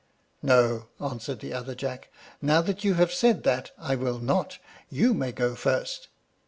"No," answered the other Jack; "now you have said that I will not. You may go first."